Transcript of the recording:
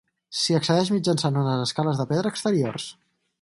S'hi accedeix mitjançant unes escales de pedra exteriors.